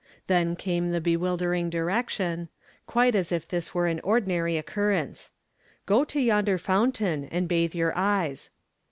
Then came the bev/ildering direction, quite as if this were an ordinary occur rence. "Go to yonder fountain and bathe your eyes."